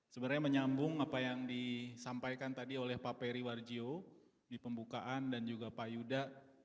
sebenarnya menyambung apa yang disampaikan tadi oleh pak peri warjio di pembukaan dan juga pak yuda